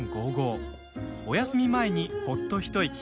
おやすみ前に、ほっと一息。